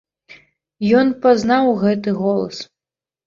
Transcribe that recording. Ён пазнаў гэты голас.